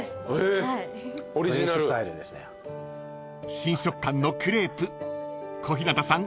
［新食感のクレープ小日向さん